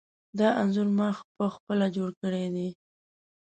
دا انځور ما پخپله جوړ کړی دی.